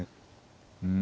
うん。